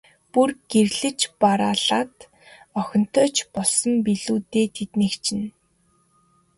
Бүр гэрлэж бараалаад охинтой ч болсон билүү дээ, тэднийх чинь.